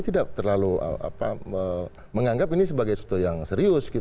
tidak terlalu menganggap ini sebagai sesuatu yang serius